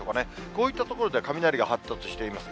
こういった所で雷が発達しています。